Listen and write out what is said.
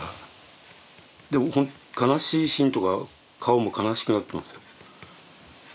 でも悲しいシーンとか顔も悲しくなってますよ。